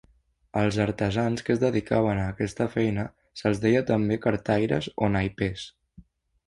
Als artesans que es dedicaven a aquesta feina se'ls deia també cartaires o naipers.